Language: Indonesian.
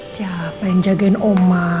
siapa yang jagain oma